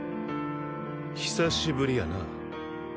久しぶりやな。